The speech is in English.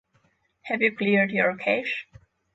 Have you cleared your cache?